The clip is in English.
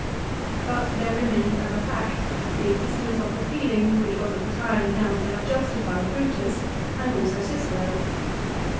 But there remains as a fact the existence of the feeling which was at the time held to have justified Brutus, and also Cicero.